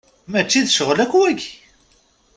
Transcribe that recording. Mačči d ccɣel akk wagi.